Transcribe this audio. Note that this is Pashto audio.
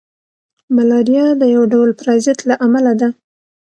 ملاریا د یو ډول پرازیت له امله ده